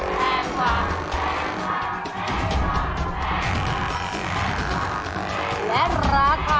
แพงกว่าแพงกว่าแพงกว่าแพงกว่า